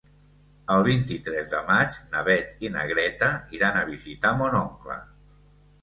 El vint-i-tres de maig na Beth i na Greta iran a visitar mon oncle.